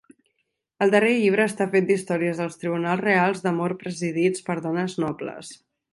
El darrer llibre està fet d'històries dels tribunals reals d'amor presidits per dones nobles.